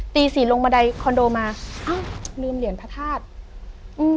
ตีสี่ลงมะดายคอนโดมาอ้าวลืมเหรียญพระธาตุ